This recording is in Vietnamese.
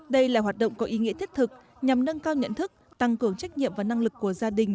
đây là hoạt động có ý nghĩa thiết thực nhằm nâng cao nhận thức tăng cường trách nhiệm và năng lực của gia đình